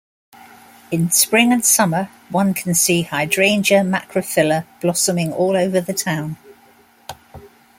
In spring and summer, one can see "Hydrangea macrophylla" blossoming all over the town.